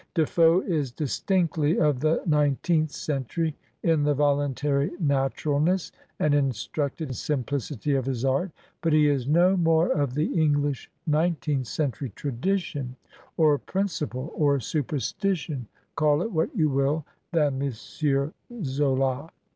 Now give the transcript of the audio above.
De Foe is distinctly of the nine teenth century in the voluntary naturalness and in structed simplicity of his art, but he is no more of the English nineteenth century tradition, or principle or superstition, call it what you will, than M. Zola.